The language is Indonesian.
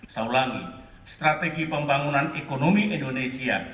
strategi pembangunan ekonomi indonesia